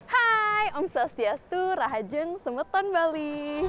hai om sastriastu rahajeng semeton bali